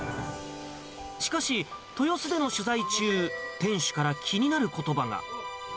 しかし、豊洲での取材中、店主から気になることばが。